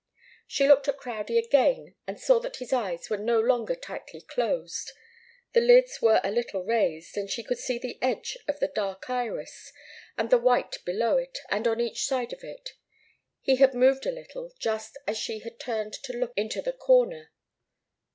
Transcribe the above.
She looked at Crowdie again and saw that his eyes were no longer tightly closed. The lids were a little raised, and she could see the edge of the dark iris, and the white below it and on each side of it. He had moved a little just as she had turned to look into the corner.